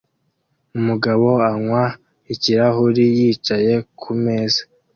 Umugabo anywa ikirahuri yicaye kumeza